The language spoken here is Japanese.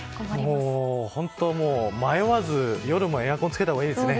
本当に迷わず夜もエアコンをつけたほうがいいですね。